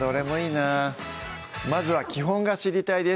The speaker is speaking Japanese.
まずは基本が知りたいです